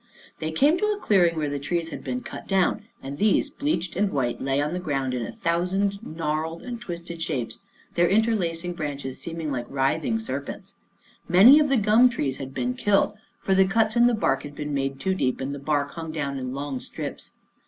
They came to a clearing where the trees had been cut down, and these, bleached and white, lay on the ground in a thousand gnarled and twisted shapes, their interlacing branches seem ing like writhing serpents. Many of the gum trees had been killed, for the cuts in the bark had been made too deep, and the bark hung down in long strips.